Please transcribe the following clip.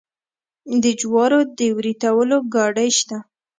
د جوارو د وریتولو ګاډۍ شته.